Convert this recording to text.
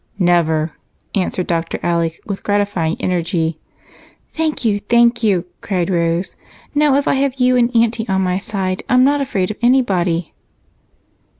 "Never!" answered Dr. Alec with gratifying energy. "Thank you! Thank you!" cried Rose. "Now, if I have you and Aunty on my side, I'm not afraid of anybody."